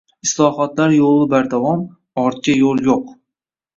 Islohotlar yo‘li bardavom, ortga yo‘l yo‘q!ng